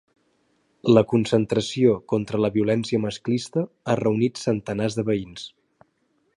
La concentració contra la violència masclista ha reunit centenars de veïns.